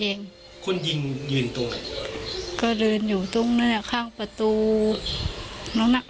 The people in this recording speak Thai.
เองคนยิงยืนตรงไหนก็เดินอยู่ตรงนั้นอ่ะข้างประตูน้องน่ะ